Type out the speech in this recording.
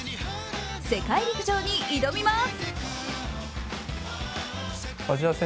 世界陸上に挑みます。